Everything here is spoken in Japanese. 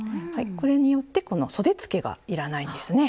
これによってこのそでつけがいらないんですね。